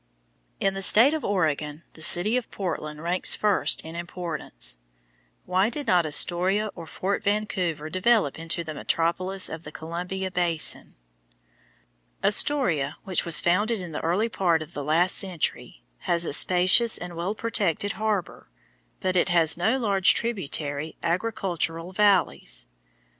In the state of Oregon, the city of Portland ranks first in importance. Why did not Astoria or Fort Vancouver develop into the metropolis of the Columbia basin? Astoria, which was founded in the early part of the last century, has a spacious and well protected harbor, but it has no large tributary agricultural valleys.